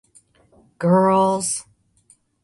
Girls.